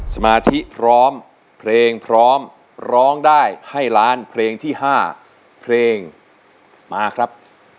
สมาธิพร้อมเพลงพร้อมร้องได้ให้ล้านเพลงที่๕เพลงมาครับ